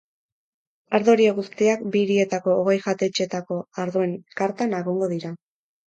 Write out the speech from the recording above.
Ardo horiek guztiak bi hirietako hogei jatetxeetako ardoen kartan egongo dira.